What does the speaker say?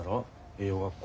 栄養学校。